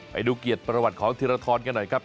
ไปดูเกียรติประวัติของทีมเมืองทองกันหน่อยครับ